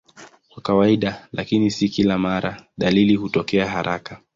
Kwa kawaida, lakini si kila mara, dalili hutokea haraka.